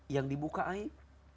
yang dibuka aib